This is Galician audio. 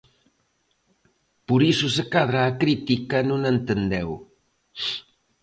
Por iso se cadra a crítica non a entendeu.